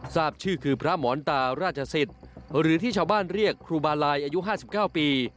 ทราบชื่อคือพระหมอนตาราชศิษย์หรือที่ชาวบ้านเรียกครูบาลัยอายุ๕๙ปี